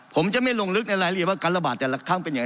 ผมจะไม่ลงลึกในรายละเอียดว่าการระบาดแต่ละครั้งเป็นอย่างไร